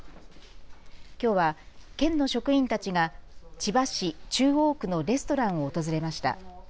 きょうは県の職員たちが千葉市中央区のレストランを訪れました。